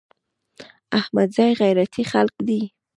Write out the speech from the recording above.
احمدزي غيرتي خلک دي.